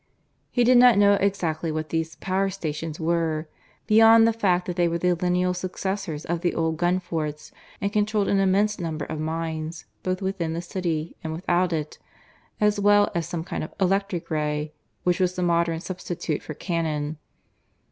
(He did not know exactly what these "power stations" were, beyond the fact that they were the lineal successors of the old gun forts, and controlled an immense number of mines both within the city and without it, as well as some kind of "electric ray," which was the modern substitute for cannon.)